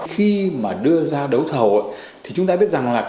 khi mà đưa ra đấu thầu thì chúng ta biết rằng là